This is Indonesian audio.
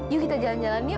yuk kita jalan jalan yuk